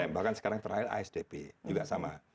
bahkan sekarang trial isdp juga sama